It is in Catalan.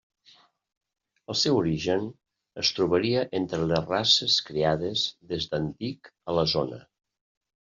El seu origen es trobaria entre les races criades des d'antic a la zona.